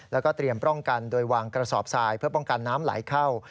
แล้วก็เตรียมป้องกันโดยวางกระสอบทรายเพื่อป้องกันน้ำไหลเข้า